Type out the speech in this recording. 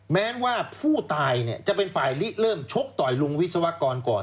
แม้ว่าผู้ตายเนี่ยจะเป็นฝ่ายลิเริ่มชกต่อยลุงวิศวกรก่อน